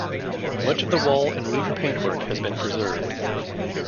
Much of the wall and roof paintwork has been preserved.